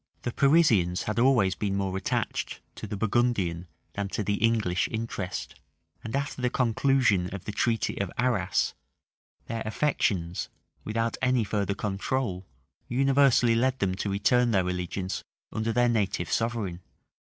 The Parisians had always been more attached to the Burgundian than to the English interest; and after the conclusion of the treaty of Arras, their affections, without any further control, universally led them to return to their allegiance under their native sovereign.